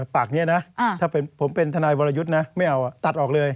ปากนี้นะถ้าผมเป็นทนายวรยุทธ์นะไม่เอาตัดออกเลย